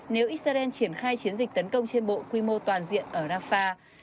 nếu israel triển khai chiến dịch tấn công trên bộ quy mô toàn diện ở rafah